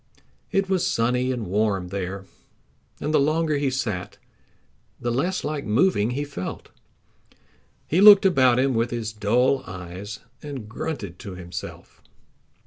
It was sunny and warm there, and the longer he sat the less like moving he felt. He looked about him with his dull eyes and grunted to himself.